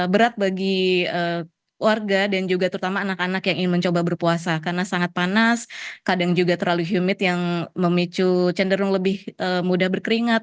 berat bagi warga dan juga terutama anak anak yang ingin mencoba berpuasa karena sangat panas kadang juga terlalu humit yang memicu cenderung lebih mudah berkeringat